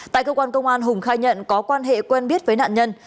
tại cơ quan công an hùng khai nhận có quan hệ quen biết với nạn nhân